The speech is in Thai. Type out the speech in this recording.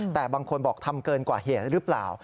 แต่บางคนบอกทำเกินกว่าเหตุหรือเปล่า